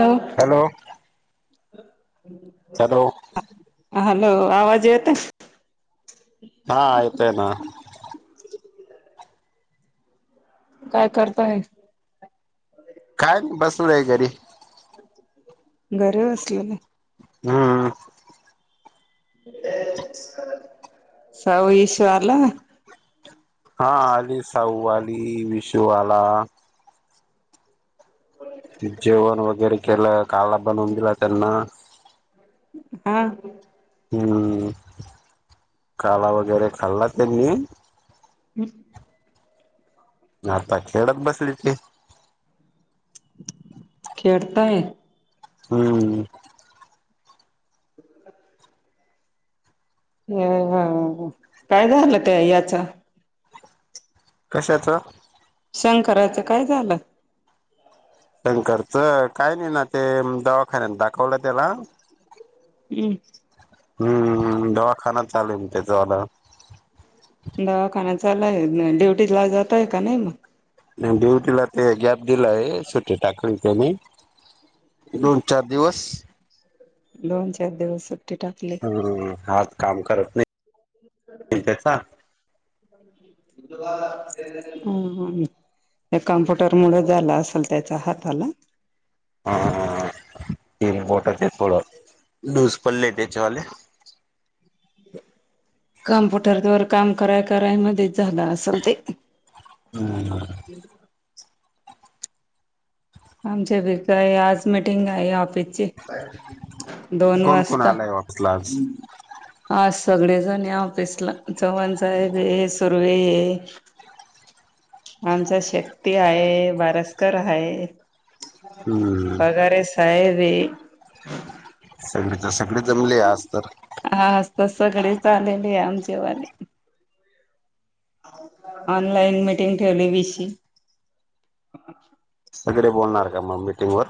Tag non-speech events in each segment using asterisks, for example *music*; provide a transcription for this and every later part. Hello. *unintelligible* Hello आवाज येत? हा येतोय ना? काय करताय? काय बसलोय घरी. घरी बसलात व्हय. हुं. सावू, इश्यू आला? हा आली साहूआली, विषू आला. व्हय. जेवण वगैरे केलं. काला बनवून दिला त्यांना. हां. हुं. काला वगैरे खाल्ला त्यांनी हम् *inaudible* न आता खेळत बसली ती. खेळतायेत. हुं. ह ह हा काय झालं त्या याचा? कशाच? शंकराचं काय झालं? शंकरचं, काय नाही ना ते दवाखान्यात दाखवलं त्याला. यू. हू ऊ उ दवाखाना चालूय म त्याचावाला. दवाखाना चालु हाय न, ड्युटी ला जातय का नाही मग. नाही ड्युटीला ते गॅप दिलाय, सुटी टाकली त्यानी दोन - चार दिवस. दोन चार दिवस सुट्टी टाकली. हम्म हात काम करत नाही त्याचा. हम्म हम्म. हे कम्प्युटर मुळ झाल असेल त्याच्या हाताला. हा हा ते बोट ते थोडं लूस पडले त्याच्यावाले. कॅम्पुटर वर काम कराय कराय मध्ये झालं असल ते. ह. आमच्या घरी काय. आज मिटिंग आहे ऑफिसची. दोन कोण कोण वाजता. आलाय वापसला आज आज सगळे जणे ऑफिसला. चव्हाण साहेबे. सुर्वे ये. *inaudible* आमचा शक्ती हाये. बारसकर हाये. हम्म पगारे साहेबे. सगळीच्या सगळी जमलीय आज तर. हा आज तर सगळे आलेलेय आमचे वाले. ऑनलाईन मिटिंग ठेवली विशी. सगळे बोलणार का मग मीटिंग वर?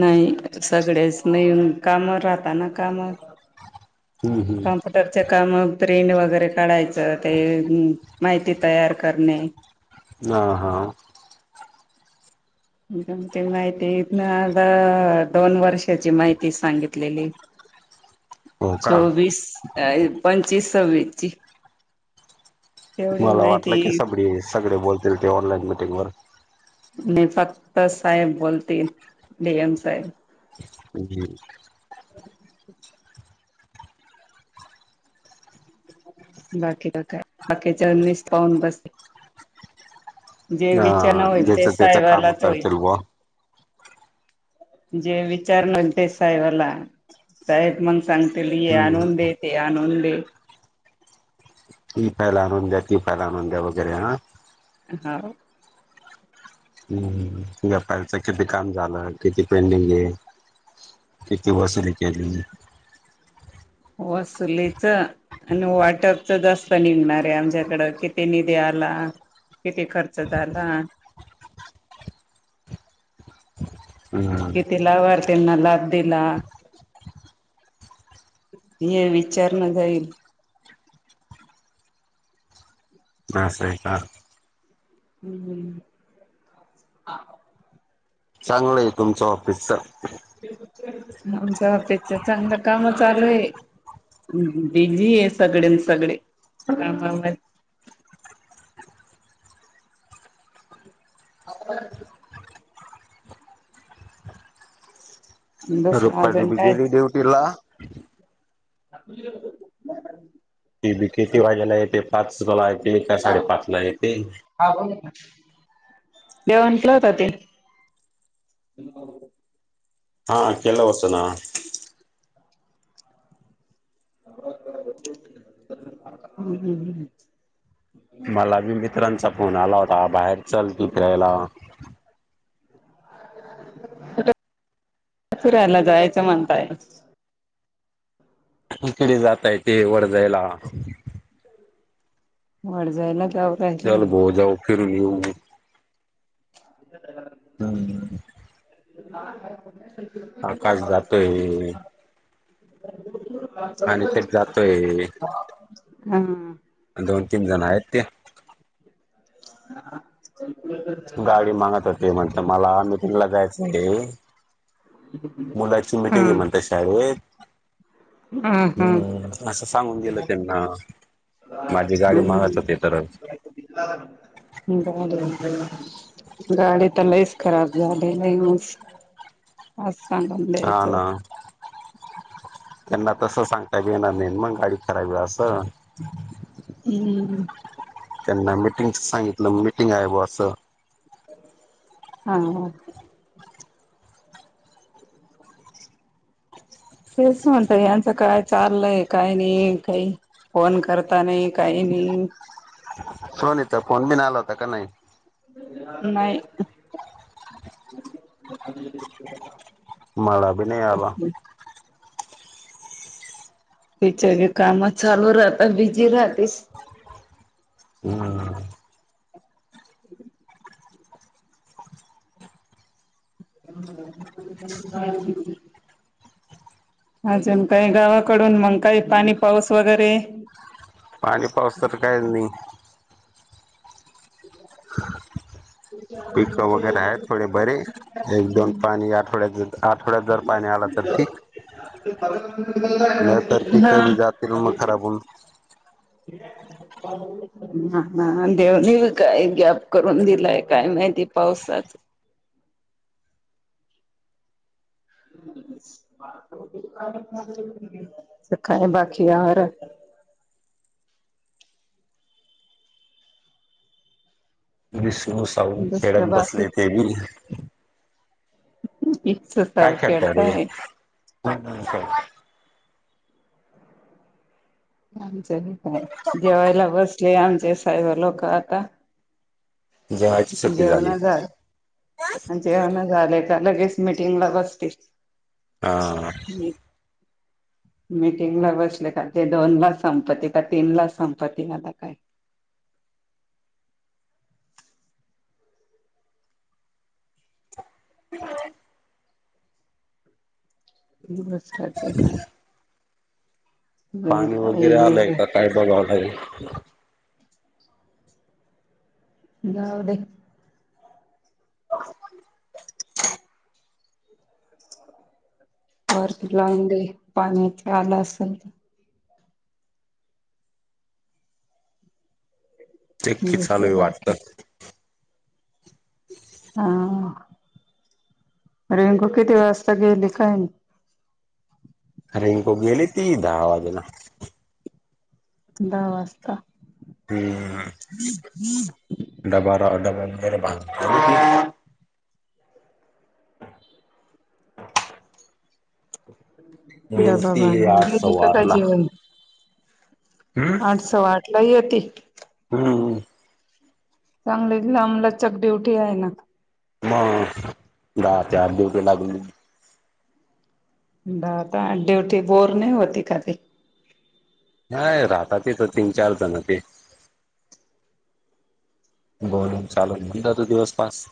नाही सगळेच नाही. अन काम राहताना काम. हम्म हम्म. टरच्या काम ते प्रिंट वगैरे काढायचं. ते माहिती तयार करणे. ह हा. दम ते माहिती ना आता दोन वर्षाची माहिती सांगितलेलीय. *inaudible* का चोवीस, पंचवीस, सव्वीसची. तेवढी मला माहिती वाटलं की सगळे सगळे बोलतील ते ऑनलाईन मिीटिंग वर. नाही फक्त साहेब बोलतील. डी एम साहेब. *unintelligible* बाकी ब काय? बाकीच्या नीस पाऊून बसले. जे हा विचना होईल ज्याच ते त्याच काम साहेबालाच होईल. करतील बुवा जे विचारन होईल ते साहेबाला. साहेब मग सांगतील हे हम्म आणून दे. ते आणून दे. ती फाईल आनूनंद्या ती फाईल. आनूनं द्या. वगैरे ह हाव. हम्म व्यापाारीच किती काम झालं किती पेंडिंग? किती वसूली केली? वसुलीच. आणि वाटपच जास्त निघणारे आमच्याकडं. किती निधी आला. किती खर्च झाला. *inaudible* हम्म किती लाभारतीनां किती लाब दिला. हे विचारण जाईल. आसय का? हम्म हम्म. चांगलंय तुमचं ऑफिसच. आमच्या ऑफिसच चांगलं काम चालूये. बिझी ए सगळेन सगळे कामा म *unintelligible* दुसरं रुपाली अजून बी काय गेली ड्युटीला. *unintelligible* *unintelligible* ती बी किती वाज्याला येते पाचला येते का साडेपाच ला येते जेवण केल होत ते. हा केल होतं ना. *inaudible* मला बी मित्रांचा फोन आला होता बाहेर चल तू फिरायला. *inaudible* फिरायला जायचं म्हणताय? इकडे जाताय ते वडजायला. *inaudible* वडजायला काव चल बो जाऊ फिरन येऊ. *inaudible* हम्. आकाश जातोय *unintelligible* अनिकेत जातोय दोन तीन जण हायत ते. *unintelligible* *unintelligible* गाडी मागत होती म्हटलं मला मिटिंगला जायचं ए. मुलाची मिट ए हम्म म्हणतात शाळेत. हम्म असं सांगून दिलं त्यांना. माझी गाडी मागत होते हम्म तर. *unintelligible* गाडी त लयच खराब झालिये लयच म आस सांगून हा द्यायचं. ना त्यांना तसं सांगता बी येणार नाय मग गाडी खराब ए आस. हम्. त्यांना मिटींग च सांगितलं मिटींग हाय बॉ आस. हा हा. तेच म्हणतय यांचं काय चाललंय काय नाई काय फोन करता नाही काही नाही. सोनीचा फोन बिन आला होता का नाय? नाय. मला बी नाय आला. तिच्या बी काम चालू राहता बिझी राहतेस. हम्म. *unintelligible* अजून काय गावाकडून मग काही पाणी पाऊस वगैरे? पाणी पावस तर कायच नाय. पिक वगैरे आहेत थोडे बरे. एक दोन पाणी आठवड्यात आठवड्यात जर पाणी आल तर ठीक. हा. बोलू *unintelligible* हा ना देवनी बी काय गॅप करून दिलाय काय माहिती पावसाचा. अस काय बाकी आवरा. दुसरं बाकी *unintelligible* *unintelligible* काय खेळताय रे. आमच आणि काय? जेवायला बसले आमचे साहेब लोक आता. जेवायची सुट्टी झाली. आणि जेवन झाले का लगेच मिटिंगला बसतील. हा मी *inaudible* मीटिंगला बसले का ते दोनला संपती का तीनला संपती. आता काय *unintelligible* वसराचे काय? पाणी वगैरे काही आलय का काय बघाव लागेल. जाऊ दे. *unintelligible* वरती लावुन दे पाण्याच. आल असेल तर. तेकी चालू दुसर आहे बाकीच वाटत. *inaudible* हा रींकू किती वाजता गेली काय नही. रिंकू गेली ती दहा वाजेला. दहा वाजता. हम्म डबा राव डबा डबा मिलती बांधून आठ गेली सवा का काय आठला. जेवण हम्म आठ सव्वा आठला येती. हम्म चांगलीच लांब लचक ड्युटी आहे ना. मग दहा ते आठ दिवटी लागली. दहा ते आठ ड्युटी, बोर नाही होती का ते. नाही राहता तिथ तीन चार जण ते. बोलुन चालून होऊन जातो दिवस पास.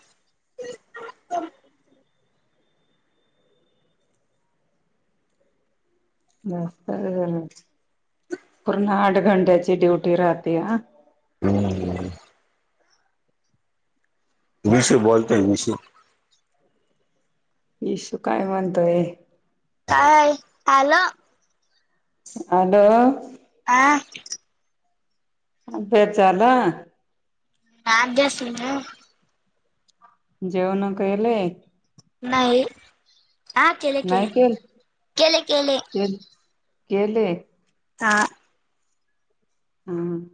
मस्त पूर्ण आठ घंट्याची ड्युटी राहते ह. हम्म इशु बोलतेय इशु. इशु काय म्हणतोय? काय हॅलो हॅलो आ अभ्यास झाला. अभ्यास नाही जेवन केले. नाही. हा केले केले. केले केले. केले केले हा हा.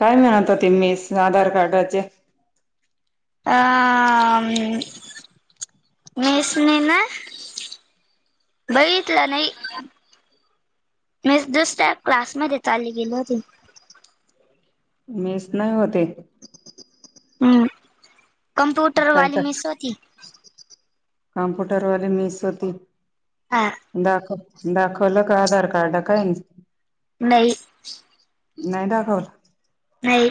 काय नाही आता ते मेस आधार कार्डाचे. अ मेस ने ना. बघितला नाही. मी दुसऱ्या क्लासमध्ये चाली गेली होती. मेस नाही होते. ह कंप्यूटरवाली मेस होती. कमप्युटरवाे मीस होती. हा‌. दाखव दाखवलं का आधार कार्डा काय नाही. नाही दाखवत. नाही‌.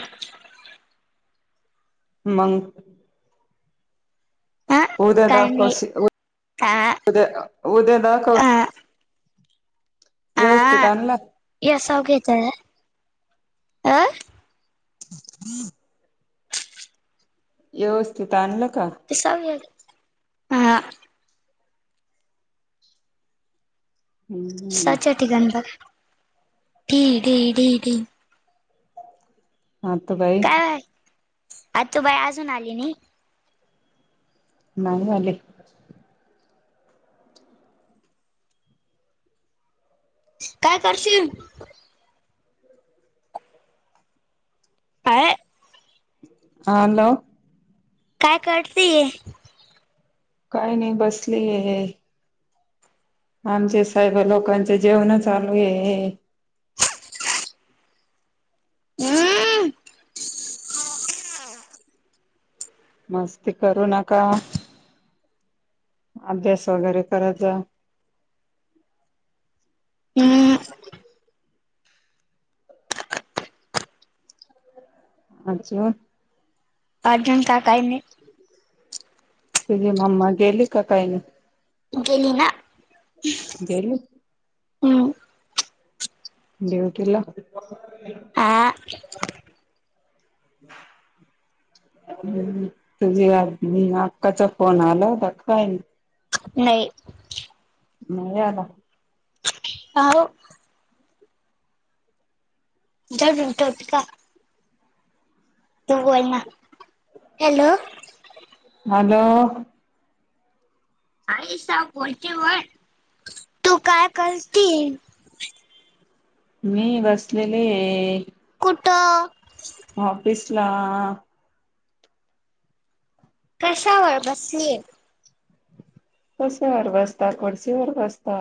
मंग. ह उद्या ना काय नाही कोशी आ उद्या उद्या नाकोश आ व्यवस्थित आणला. यासव घेताय. *inaudible* व्यवस्थित आणलं का? तेस य हा. हम्म *unintelligible* हा त बाई. काय आतू बाई अजून आली नाही. नाही आले. काय करशील. *unintelligible* हा हॅलो! काय कडती. काही नाही बसली हे. आमचे साहेब लोकांच जेवण चालू आहे. हम्म. मस्ती करू नका. अभ्यास वगैरे करात जा. हम्म *inaudible* अच्छा! *unintelligible* काही नाही. तुझी मम्मा गेली का काही नाही. गेली ना. गेली. हम्म ड्युटीला. आ. तुझी आ अक्काचा फोन आला होता का काय. नाही. नाही आला? हाव. जड घेऊन, ठेवता तू बोलना, हॅलो? हॅलो? आई सा बोलती व्हय, तू काय करतीये? मी बसलेले ये. कुटं? ऑफीसला. कशावर बसली? कशावर बसता? खुडशीवर बसता.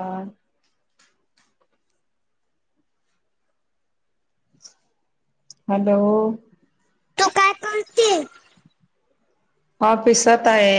हॅलो? तू काय कलतिये? ओफिसात आहे.